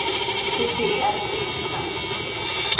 Hipi pihiiha, siilx caha.